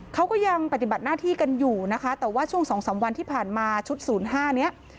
เขาก็ยังปฏิบัติหน้าที่กันอยู่นะคะแต่ว่าช่วง๒๓วันที่ผ่านมาชุด๐๕เนี่ย